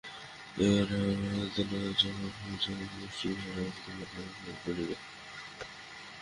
এবার রামনবমীর দোল, চড়কপূজা ও গোষ্ঠবিহার অল্পদিন পরে পরে পড়িল।